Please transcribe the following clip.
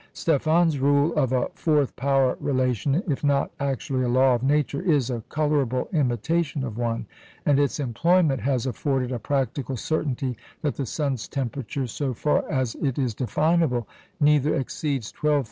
Stefan's rule of a fourth power relation, if not actually a law of nature, is a colourable imitation of one; and its employment has afforded a practical certainty that the sun's temperature, so far as it is definable, neither exceeds 12,000° C.